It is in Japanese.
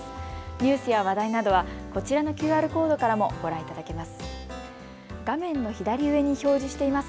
ニュースや話題などはこちらのＱＲコードからもご覧いただけます。